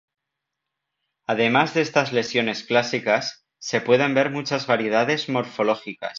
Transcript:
Además de estas lesiones clásicas, se pueden ver muchas variedades morfológicas.